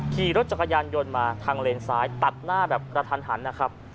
ขี่รถจักรยานยนต์มาทางเลนซ้ายตัดหน้าแบบกระทันหันนะครับ